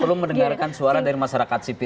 perlu mendengarkan suara dari masyarakat sipil